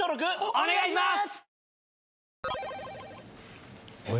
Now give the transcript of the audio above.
お願いします。